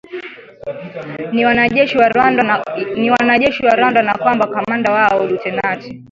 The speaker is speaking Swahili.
ni wanajeshi wa Rwanda na kwamba kamanda wao lutenati